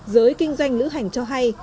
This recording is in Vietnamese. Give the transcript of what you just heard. giới kinh doanh lữ hành cho hay